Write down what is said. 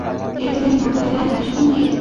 এজন্যই হত্যালীলায় নেমেছ তুমি?